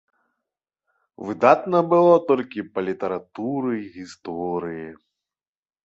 Выдатна было толькі па літаратуры і гісторыі.